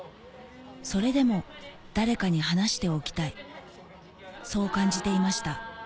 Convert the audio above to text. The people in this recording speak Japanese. それでも誰かに話しておきたいそう感じていました